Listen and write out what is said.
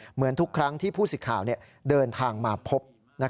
เหมือนทุกครั้งที่ผู้สิทธิ์ข่าวเดินทางมาพบ